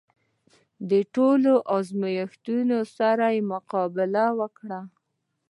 د ټولو ازمېښتونو سره مقابله وکړو.